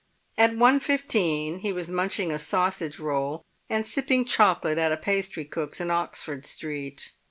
At 1.15 he was munching a sausage roll and sipping chocolate at a pastry cook's in Oxford Street.